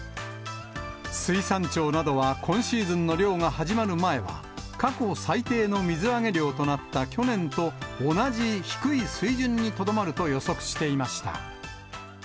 水産庁などは今シーズンの漁が始まる前は、過去最低の水揚げ量となった去年と同じ低い水準にとどまると予測していました。